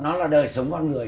nó là đời sống con người